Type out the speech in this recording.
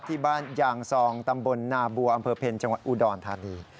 ที่บ้านยางซองตำบลนาบัวอำเภอเพ็ญจังหวัดอุดรธานี